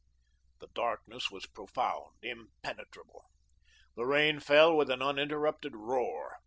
The darkness was profound, impenetrable; the rain fell with an uninterrupted roar.